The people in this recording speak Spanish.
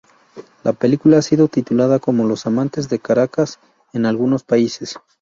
La película ha sido titulada como "Los amantes de Caracas" en algunos países.